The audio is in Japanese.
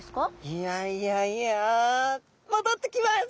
いやいやいや戻ってきます！